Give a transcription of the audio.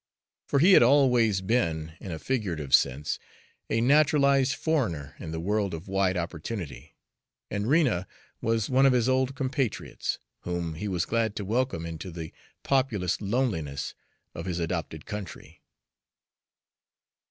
For he had always been, in a figurative sense, a naturalized foreigner in the world of wide opportunity, and Rena was one of his old compatriots, whom he was glad to welcome into the populous loneliness of his adopted country.